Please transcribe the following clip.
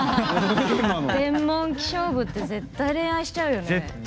天文気象部って絶対、恋愛しちゃうよね。